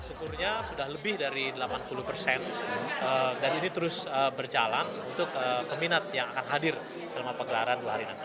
syukurnya sudah lebih dari delapan puluh persen dan ini terus berjalan untuk peminat yang akan hadir selama pegelaran dua hari nanti